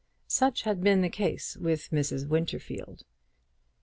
Such had been the case with Mrs. Winterfield.